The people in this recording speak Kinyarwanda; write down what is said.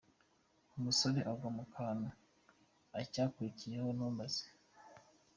Umusore agwa mu kantu, icyakurikiyeho ntumbaze.